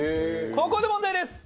ここで問題です。